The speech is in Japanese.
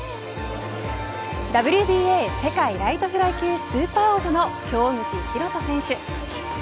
ＷＢＡ世界ライトフライ級スーパー王者の京口紘人選手。